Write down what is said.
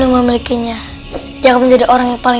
dengan menajamkan pendengaran